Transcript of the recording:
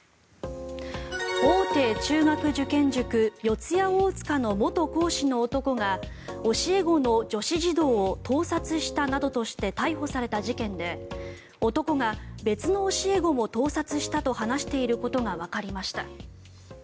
大手中学受験塾四谷大塚の元講師の男が教え子の女子児童を盗撮したなどとして逮捕された事件で、男が別の教え子も盗撮したと話していることがわかりました。